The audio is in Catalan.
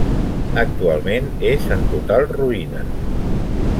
Actualment és en total ruïna.